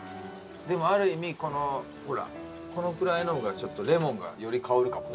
でもある意味このほらこのくらいの方がちょっとレモンがより香るかも。